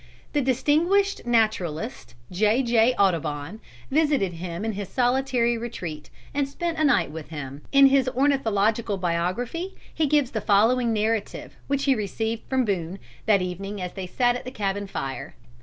The distinguished naturalist, J. J. Audubon, visited him in his solitary retreat, and spent a night with him. In his Ornithological Biography he gives the following narrative which he received from Boone, that evening as they sat at the cabin fire.